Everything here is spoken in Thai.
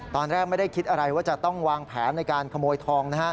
ตอนแรกไม่ได้คิดอะไรว่าจะต้องวางแผนในการขโมยทอง